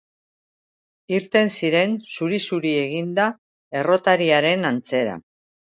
Irten ziren zuri-zuri eginda, errotariaren antzera.